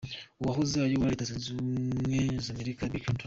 Uwahoze ayobora Leta Zunze Ubumwe z’Amerika, Bill Clinton.